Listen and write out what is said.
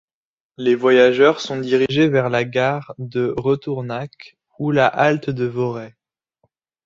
Les voyageurs sont dirigés vers la gare de Retournac ou la halte de Vorey.